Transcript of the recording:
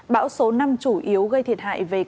bão số năm chủ yếu gây thiệt hại về cây cây